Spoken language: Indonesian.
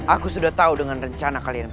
aku sudah tahu dengan rencana kalian